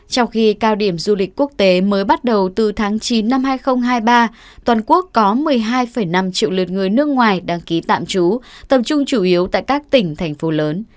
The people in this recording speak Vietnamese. trong khi cao điểm du lịch quốc tế mới bắt đầu từ tháng chín năm hai nghìn hai mươi ba toàn quốc có một mươi hai năm triệu lượt người nước ngoài đăng ký tạm trú tầm trung chủ yếu tại các tỉnh thành phố lớn